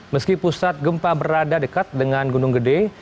meski pusat gempa berada dekat dengan gunung gede